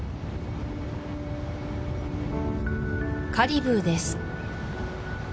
カリブーです